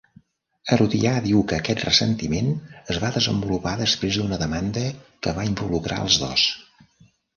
Herodià diu que aquest ressentiment es va desenvolupar després d'una demanda que va involucrar als dos.